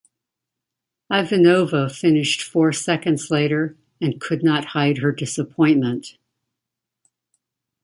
Ivanova finished four seconds later and could not hide her disappointment.